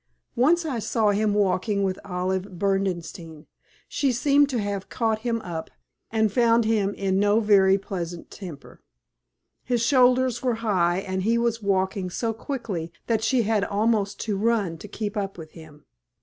Once I saw him walking with Olive Berdenstein. She seemed to have caught him up, and found him in no very pleasant temper. His shoulders were high, and he was walking so quickly that she had almost to run to keep up with him.